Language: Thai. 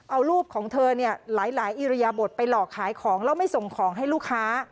เอารูปของเธอเนี่ยหลายอิริยบทไปหลอกขายของแล้วไม่ส่งของให้ลูกค้า